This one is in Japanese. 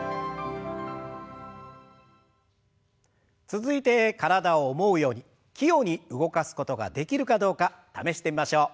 続いて体を思うように器用に動かすことができるかどうか試してみましょう。